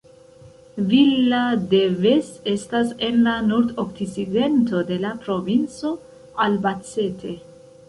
Villa de Ves estas en la nordokcidento de la provinco Albacete.